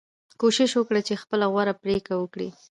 کوشش وکړئ چې خپله غوره پریکړه وکړئ.